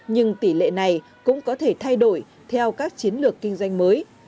nhưng tỷ lệ này cũng có thể thay đổi theo các chiến lược kinh doanh mới